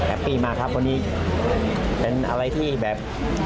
ปี้มากครับวันนี้เป็นอะไรที่แบบ